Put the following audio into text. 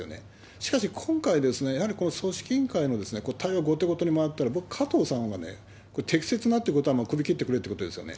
しかし、今回ですね、やはりこの組織委員会の対応後手後手に回ったのは、僕、加藤さんがね、これ、適切なっていうことは首切ってくれっていうことですよね。